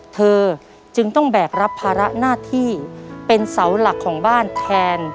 เธอจึงต้องแบกรับภาระหน้าที่เป็นเสาหลักของบ้านแทน